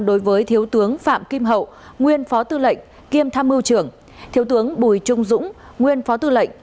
đối với thiếu tướng phạm kim hậu nguyên phó tư lệnh kiêm tham mưu trưởng thiếu tướng bùi trung dũng nguyên phó tư lệnh